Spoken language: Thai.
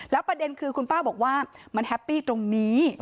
ประเด็นคือคุณป้าบอกว่ามันแฮปปี้ตรงนี้